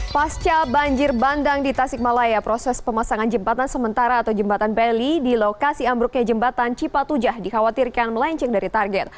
pasca banjir bandang di tasikmalaya proses pemasangan jembatan sementara atau jembatan bali di lokasi ambruknya jembatan cipatujah dikhawatirkan melenceng dari target